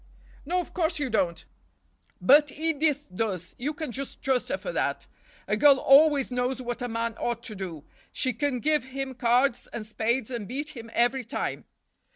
"No, of course you don't—but Edith does—you can just trust her for that. A girl always knows what a man ought to do—she can give him cards and spades and beat him every time."